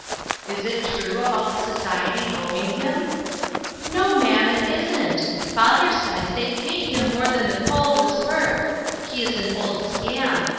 " Is it true about the society owing him ?"" No, ma'am ; it isn't. Father says they paid him more than the coal was worth. He is an old scamp.